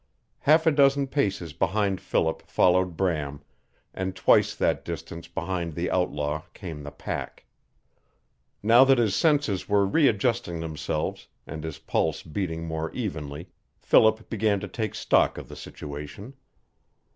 Half a dozen paces behind Philip followed Bram, and twice that distance behind the outlaw came the pack. Now that his senses were readjusting themselves and his pulse beating more evenly Philip began to take stock of the situation.